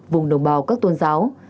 vùng đồng bào các tôn giáo